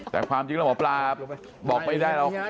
แต่ความจริงแล้วหมอปลาบอกไม่ได้หรอก